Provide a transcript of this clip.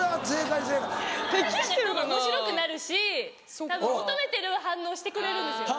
おもしろくなるしたぶん求めてる反応をしてくれるんですよ。